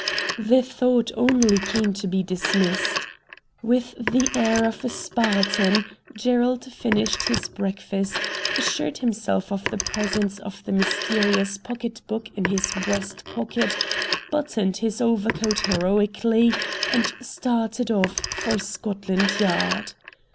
The thought only came to be dismissed. With the air of a Spartan, Gerald finished his breakfast, assured himself of the presence of the mysterious pocket book in his breast pocket, buttoned his overcoat heroically, and started off for Scotland Yard.